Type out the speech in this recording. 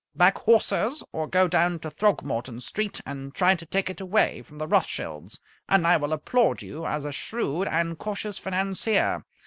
Back horses or go down to Throgmorton Street and try to take it away from the Rothschilds, and I will applaud you as a shrewd and cautious financier.